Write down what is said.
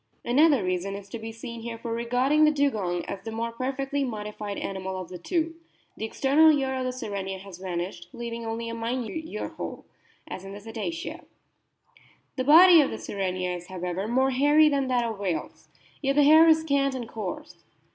Another reason is to be seen here for regarding the Dugong as the more perfectly modified animal of the two. The external ear of the Sirenia has vanished, leaving only a minute ear hole, as in the Cetacea. 92 A BOOK OF WHALES The body of the Sirenia is, however, more hairy than that of whales ; yet the hair is scant and coarse.